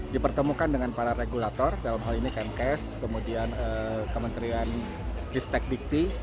dipertemukan dengan para regulator dalam hal ini kemkes kemudian kementerian ristek dikti